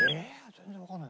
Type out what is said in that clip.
全然わからない。